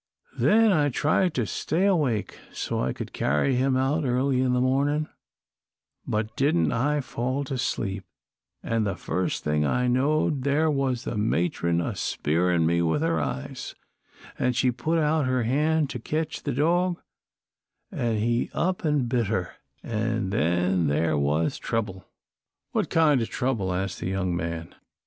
Then I tried to stay awake, so I could carry him out early in the mornin', but didn't I fall to sleep, an' the first thing I knowed there was the matron a spearin' me with her eyes, an she put out her hand to ketch the dog, an' he up an' bit her, an' then there was trouble." "What kind of trouble?" asked the young man.